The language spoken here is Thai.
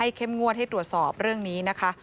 เข้มงวดให้ตรวจสอบเรื่องนี้นะคะ